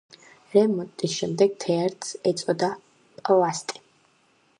რემონტის შემდეგ თეატრს ეწოდა „პლასტი“.